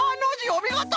おみごと！